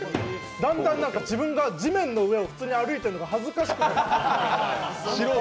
だんだん自分が地面の上を歩いてるのが恥ずかしくなる。